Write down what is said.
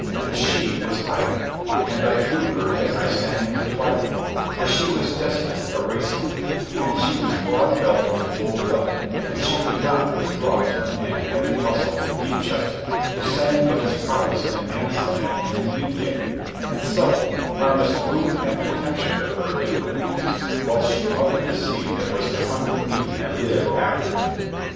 And she was Igar, and I drew her as I sang in the twilight, for she was destined a race mother, and she was broad built and full dugged, and she could not but draw to the man heavy muscled, deep chested, who sang of his prowess in man slaying and in meat getting, and so, promised food and protection to her in her weakness whilst she mothered the seed that was to hunt the meat and live after her.